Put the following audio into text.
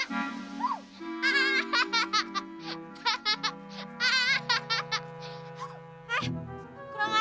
apa maksudnya apa maksudnya apa maksudnya